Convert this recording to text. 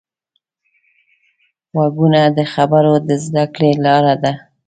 غوږونه د خبرو د زده کړې لاره ده